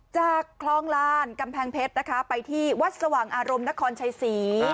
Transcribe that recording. จากคลองลานกำแพงเพชรนะคะไปที่วัดสว่างอารมณ์นครชัยศรี